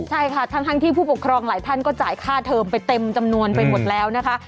ใช่ค่ะทั้งที่ผู้ปกครองหลายท่านก็จ่ายค่าเทิมไปเต็มจำนวนไปหมดแล้วนะคะ